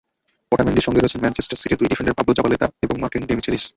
ওটামেন্ডির সঙ্গে রয়েছেন ম্যানচেস্টার সিটির দুই ডিফেন্ডার পাবলো জাবালেতা এবং মার্টিন ডেমিচেলিস।